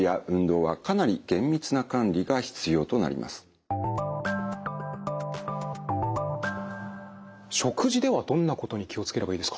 特に腎臓病の場合食事ではどんなことに気を付ければいいですか？